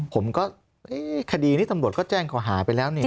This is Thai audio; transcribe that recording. ผมก็คดีนี้ตำรวจก็แจ้งเขาหาไปแล้วเนี่ย